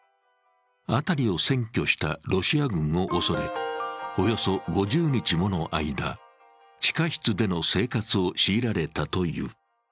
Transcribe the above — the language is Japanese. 辺りを占拠したロシア軍を恐れ、およそ５０日もの間、地下室での生活を強いられたという。